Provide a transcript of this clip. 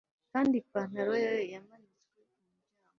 Kandi ipantaro ye yamanitswe kumuryango